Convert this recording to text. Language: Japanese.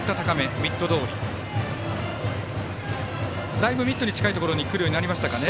だいぶミットに近いところにくるようになりましたかね。